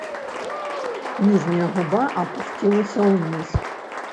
Ніжняя губа апусцілася ўніз.